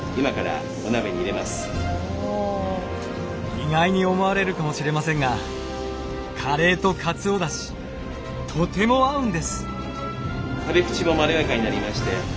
意外に思われるかもしれませんがカレーとかつおだしとても合うんです。